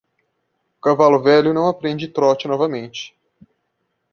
O cavalo velho não aprende trote novamente.